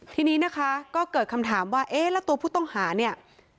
ทีนี้นะคะก็เกิดคำถามว่าเอ๊ะแล้วตัวผู้ต้องหาเนี่ย